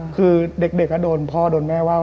คือเด็กก็โดนพ่อโดนแม่ว่า